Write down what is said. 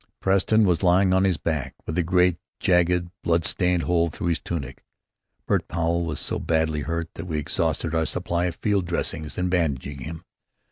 Preston was lying on his back with a great jagged, blood stained hole through his tunic. Bert Powel was so badly hurt that we exhausted our supply of field dressings in bandaging him.